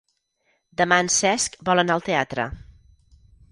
Demà en Cesc vol anar al teatre.